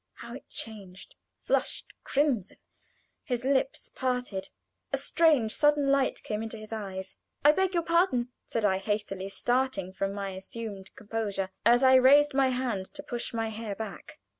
How it changed! flushed crimson. His lips parted a strange, sudden light came into his eyes. "I beg your pardon!" said I, hastily, started from my assumed composure, as I raised my hand to push my hair back.